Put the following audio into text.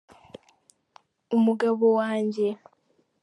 umugabo wanjye